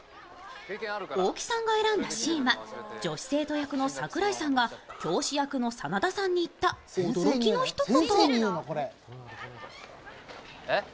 大木さんが選んだシーンは女子生徒役の桜井さんが教師役の真田さんに言った、驚きの一言。